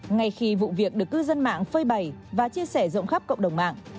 ngay khi vụ việc được cư dân mạng phơi bày và chia sẻ rộng khắp cộng đồng mạng